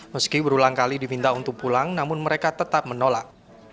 meski berulang kali diminta untuk pulang namun mereka tetap menolak